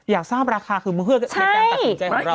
อยากทราบราคาคือในการตัดสินใจของเรา